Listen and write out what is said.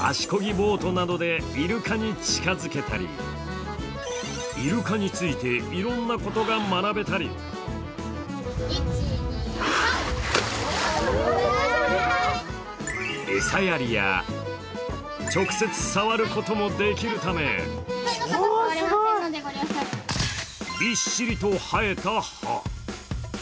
ボートなどでイルカに近づけたりイルカについて、いろんなことが学べたり餌やりや直接触ることもできるためびっしりと生えた歯。